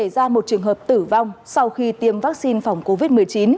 xảy ra một trường hợp tử vong sau khi tiêm vaccine phòng covid một mươi chín